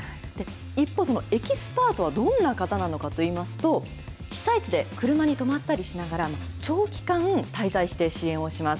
一方、そのエキスパートはどんな方なのかといいますと、被災地で車に泊まったりしながら、長期間滞在して、支援をします。